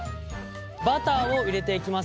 バターを入れていきます。